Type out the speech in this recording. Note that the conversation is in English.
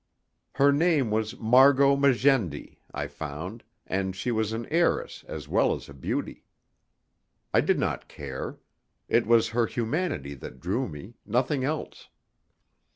Her name was Margot Magendie, I found, and she was an heiress as well as a beauty. I did not care. It was her humanity that drew me, nothing else.